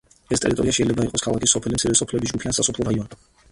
ეს ტერიტორია შეიძლება იყოს ქალაქი, სოფელი, მცირე სოფლების ჯგუფი ან სასოფლო რაიონი.